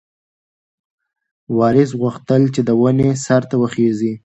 وارث غوښتل چې د ونې سر ته وخیژي.